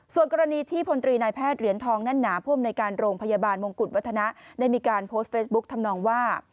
ส่วนกรณีที่พลตรีนายแพทย์เหรียญทองแน่นหนาผู้อำนวยการโรงพยาบาลมงกุฎวัฒนะได้มีการโพสต์เฟซบุ๊กทำนองว่า